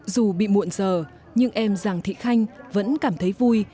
dù bị muộn giờ nhưng em giàng thị khanh vẫn cảm thấy vui